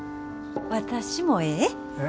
私もええ？